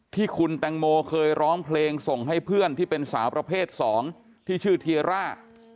ที่คุณแตงโมเคยร้องเพลงส่งให้เพื่อนที่เป็นสาวประเภท๒ที่ชื่อเทียร่า